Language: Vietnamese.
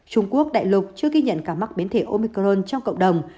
trung quốc đại lục chưa ghi nhận ca mắc biến thể omicron trong cộng đồng